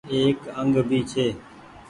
ايڪ انگ ڀي ڇي۔